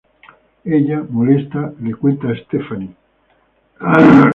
Ella, molesta, le cuenta a Stephanie.